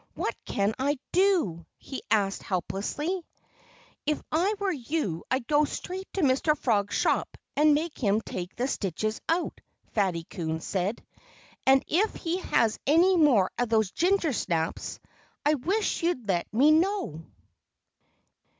What can I do?" he asked helplessly. "If I were you I'd go straight to Mr. Frog's shop and make him take the stitches out," Fatty Coon said. "And if he has any more of those gingersnaps, I wish you'd let me know."